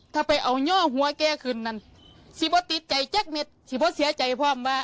ถ้าไปเอาเงาะหัวแกคืนนั่นสิบู๊ะติดใจจักมิตรสิบู๊ะเสียใจพร้อมว่า